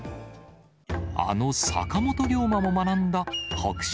あの坂本龍馬も学んだ北辰